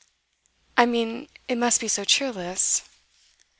I mean it must be so cheerless.